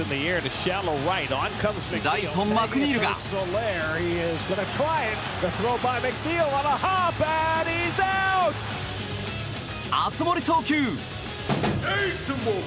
ライト、マクニールが熱盛送球！